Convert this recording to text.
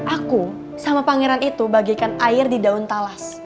aku sama pangeran itu bagikan air di daun talas